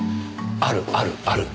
あるあるある。